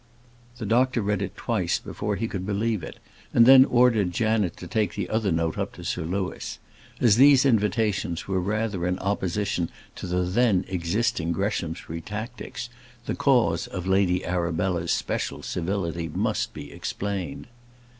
The doctor read it twice before he could believe it, and then ordered Janet to take the other note up to Sir Louis. As these invitations were rather in opposition to the then existing Greshamsbury tactics, the cause of Lady Arabella's special civility must be explained.